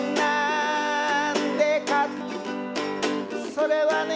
「それはね